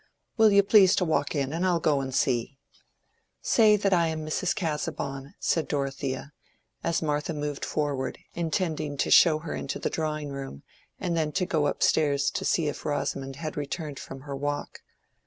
"Will you please to walk in, and I'll go and see." "Say that I am Mrs. Casaubon," said Dorothea, as Martha moved forward intending to show her into the drawing room and then to go up stairs to see if Rosamond had returned from her walk.